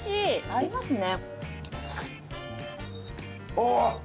合いますね。